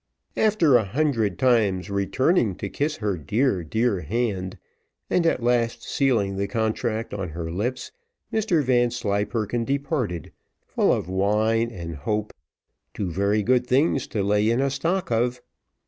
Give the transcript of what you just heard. After a hundred times returning to kiss her dear, dear hand, and at last sealing the contract on her lips, Mr Vanslyperken departed, full of wine and hope two very good things to lay in a stock of.